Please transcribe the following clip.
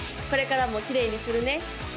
これからもきれいにするね